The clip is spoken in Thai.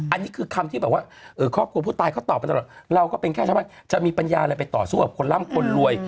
อันนี้คือคำที่แบบว่าครอบครัวผู้ตายเขาตอบไปตลอดเราก็เป็นแค่ชาวบ้านจะมีปัญญาอะไรไปต่อสู้กับคนร่ำคนรวย